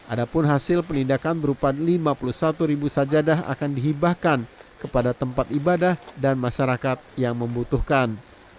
ada pun hasil penindakan berupa lima puluh satu ribu sajadah akan dihibahkan kepada tempat ibadah dan masyarakat yang membutuhkan